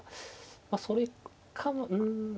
まあそれかうん。